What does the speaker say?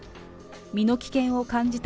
身の危険を感じた